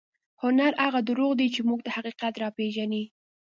هنر هغه درواغ دي چې موږ ته حقیقت راپېژني.